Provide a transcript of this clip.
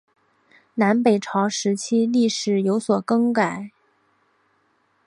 南北朝时期名称有所更改。